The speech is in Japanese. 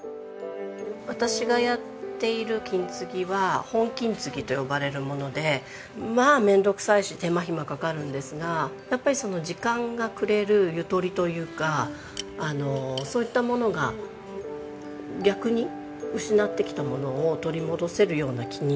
私がやっている金継ぎは本金継ぎと呼ばれるものでまあ面倒くさいし手間暇かかるんですがやっぱり時間がくれるゆとりというかそういったものが逆に失ってきたものを取り戻せるような気になって。